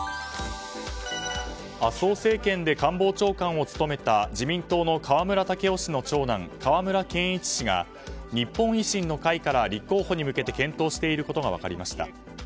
麻生政権で官房長官を務めた自民党の河村建夫氏の長男河村建一氏が日本維新の会から立候補に向けて検討していることが分かりました。